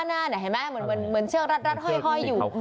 เห็นไหมเหมือนเชือกรัดห้อยอยู่